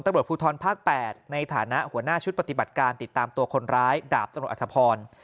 ตำรวจภูทรภาค๘ในฐานะหัวหน้าชุดปฏิบัติการติดตามตัวคนร้ายดาบตำรวจอธพร